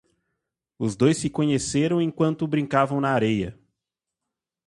Os dois se conheceram enquanto brincavam na areia.